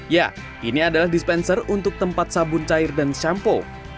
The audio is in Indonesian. ya ini adalah dispenser untuk tempat sabun cair dan shampoo